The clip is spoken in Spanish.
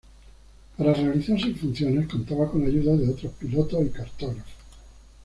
Para realizar sus funciones contaba con ayuda de otros pilotos y cartógrafos.